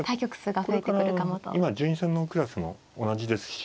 今順位戦のクラスも同じですし。